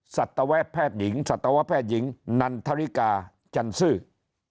สัตวแพทย์หญิงนันทริกาจันทรืค